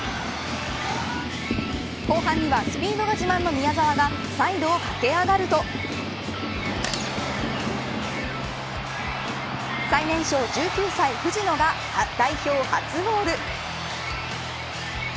後半にはスピードが自慢の宮澤がサイドを駆け上がると最年少１９歳、藤野が代表初ゴール。